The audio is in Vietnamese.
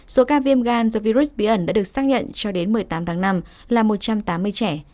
số ca viêm gan do virus bí ẩn đã được xác nhận cho đến một mươi tám tháng năm là một trăm tám mươi trẻ